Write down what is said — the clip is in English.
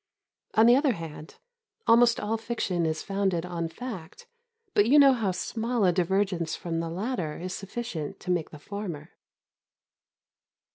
On the other hand, almost all fiction is founded on fact, but you know how small a divergence from the latter is sufficient to make the former.